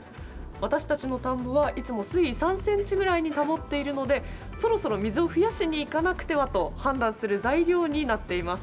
私たちの田んぼはいつも水位３ｃｍぐらいに保っているので、そろそろ水を増やしにいかなくてはと判断する材料になっています。